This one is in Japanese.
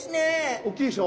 おっきいでしょ？